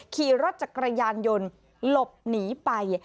ขี่รถจักรยานยนต์หลบหนีไป